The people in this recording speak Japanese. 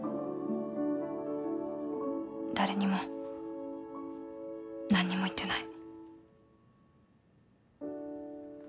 誰にも何にも言ってない。